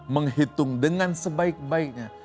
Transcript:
menghitung dengan sebaik baiknya